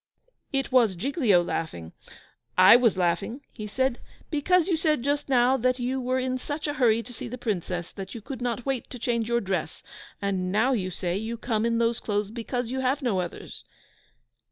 It was Giglio laughing. "I was laughing," he said, "because you said just now that you were in such a hurry to see the Princess, that you could not wait to change your dress; and now you say you come in those clothes because you have no others."